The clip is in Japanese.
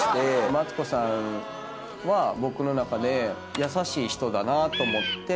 マツコさんは僕の中で優しい人だなと思って。